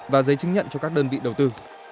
và giấy chứng nhận cho các đơn vị đầu tư